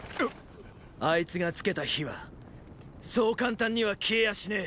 あいつがつけた火はそう簡単には消えやしねェ。